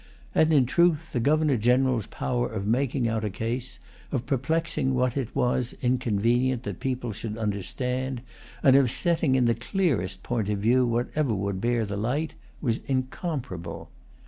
And, in truth, the Governor General's power of making out a case, of perplexing what it was inconvenient that people should understand, and of setting in the clearest point of view whatever would bear the light, was incomparable.